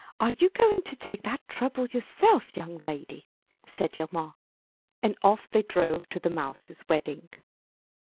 are you going to take that trouble your self, young lady!'* said Hjalmar, and off they drove to the mouse's wedding.